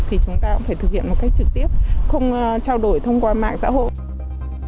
thì chúng ta cũng phải thực hiện một cách trực tiếp không trao đổi thông qua mạng xã hội